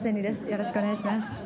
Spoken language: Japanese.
よろしくお願いします。